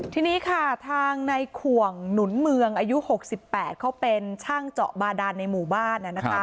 ทีนี้ค่ะทางในขวงหนุนเมืองอายุ๖๘เขาเป็นช่างเจาะบาดานในหมู่บ้าน